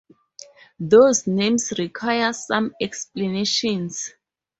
These names require some explanations.